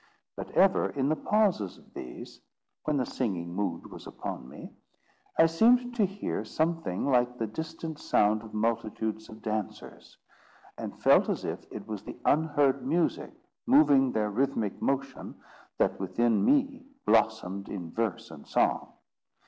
But, ever in the pauses of these, when the singing mood was upon me, I seemed to hear something like the distant sound of multitudes of dancers, and felt as if it was the unheard music, moving their rhythmic motion, that within me blossomed in verse and song.